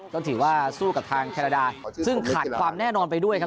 ก็ถือว่าสู้กับทางแคนาดาซึ่งขาดความแน่นอนไปด้วยครับ